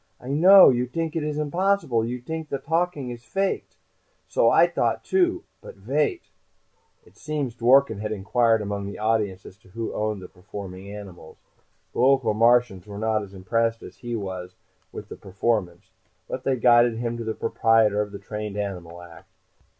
I know. You t'ink it is impossible. You t'ink the talking is faked. So I t'ought too. But vait." It seems Dworken had inquired among the audience as to who owned the performing animals. The local Martians were not as impressed as he was with the performance, but they guided him to the proprietor of the trained animal act.